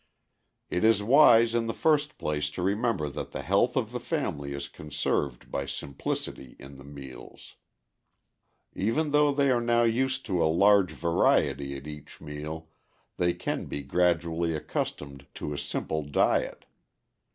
"It is wise, in the first place, to remember that the health of the family is conserved by simplicity in the meals. Even though they are now used to a larger variety at each meal, they can be gradually accustomed to a simple diet.